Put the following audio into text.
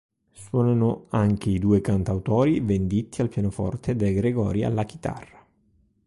Suonano anche i due cantautori, Venditti al pianoforte, De Gregori alla chitarra.